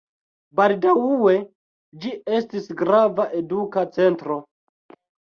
Baldaŭe ĝi estis grava eduka centro.